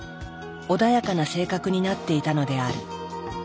穏やかな性格になっていたのである。